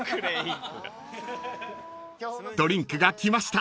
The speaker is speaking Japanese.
［ドリンクが来ました］